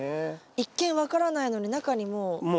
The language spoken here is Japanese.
一見分からないのに中にもう。